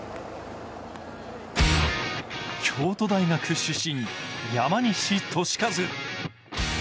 京都大学出身、山西利和。